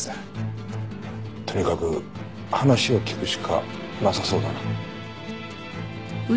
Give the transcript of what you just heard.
とにかく話を聞くしかなさそうだな。